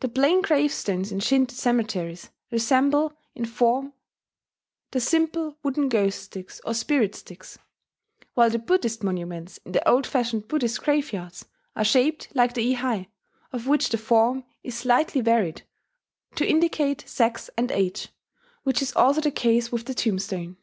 The plain gravestones in Shinto cemeteries resemble in form the simple wooden ghost sticks, or spirit sticks; while the Buddhist monuments in the old fashioned Buddhist graveyards are shaped like the ihai, of which the form is slightly varied to indicate sex and age, which is also the case with the tombstone.